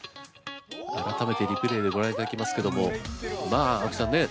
改めてリプレイでご覧いただきますけどもまあ青木さんね